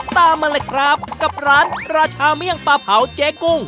มาเลยครับกับร้านราชาเมี่ยงปลาเผาเจ๊กุ้ง